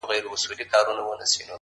شېرینو نور له لسټوڼي نه مار باسه~